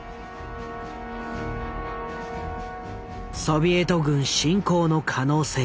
ソビエト軍侵攻の可能性。